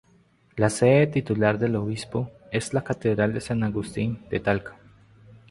La sede titular del obispo es la catedral de San Agustín de Talca.